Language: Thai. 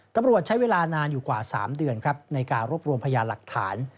ตำรวจใช้เวลานานอยู่กว่า๓เดือนครับในการรวบรวมพยานหลักฐาน